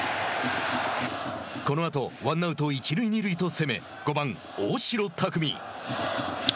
このあと、ワンアウト一塁二塁と攻め５番大城卓三。